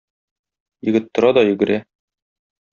Егет тора да йөгерә.